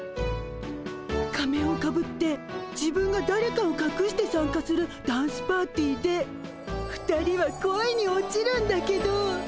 仮面をかぶって自分がだれかをかくして参加するダンスパーティーで２人は恋に落ちるんだけど。